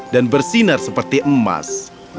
dan bersinar seperti emas